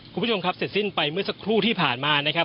คุณผู้ชมครับเสร็จสิ้นไปเมื่อสักครู่ที่ผ่านมานะครับ